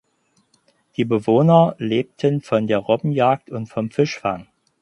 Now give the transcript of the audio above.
Die Bewohner lebten von der Robbenjagd und vom Fischfang.